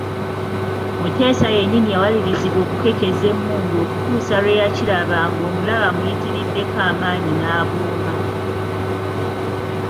Muteesa yennyini yawalirizibwa okukekkeza emmundu okutuusa lwe yakiraba ng’omulabe amuyitiriddeko amaanyi n'abomba.